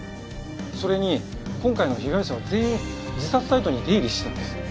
それに今回の被害者は全員自殺サイトに出入りしていたんです。